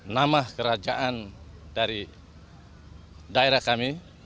nama kerajaan dari daerah kami